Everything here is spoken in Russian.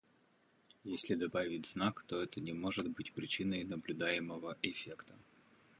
если добавить знак, но это не может быть причиной наблюдаемого эффекта.